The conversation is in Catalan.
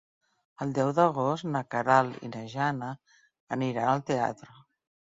El deu d'agost na Queralt i na Jana aniran al teatre.